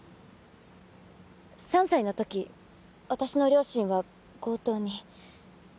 ３歳のとき私の両親は強盗に。